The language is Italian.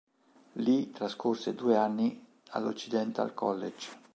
Lì trascorse due anni all'Occidental College.